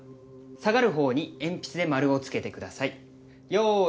「下がる方に鉛筆で○をつけてください」用意。